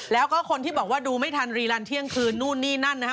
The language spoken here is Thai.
แล้วก็คนที่บอกว่าดูไม่ทันรีลันเที่ยงคืนนู่นนี่นั่นนะครับ